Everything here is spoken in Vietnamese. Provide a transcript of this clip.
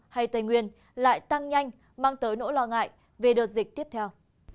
hay tây nguyên lại tăng nhanh mang tới nỗi lo ngại về đợt dịch tiếp theo